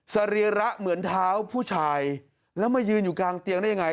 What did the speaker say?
สรีระเหมือนเท้าผู้ชายแล้วมายืนอยู่กลางเตียงได้ยังไง